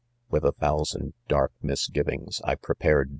With a thousand dark misgivings I pre pared.